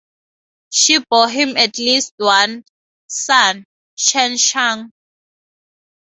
She bore him at least one son, Chen Chang.